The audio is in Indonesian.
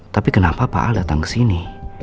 tapi kenapa pak al datang kesini